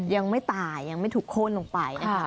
ยังไม่ตายยังไม่ถูกโค้นลงไปนะคะ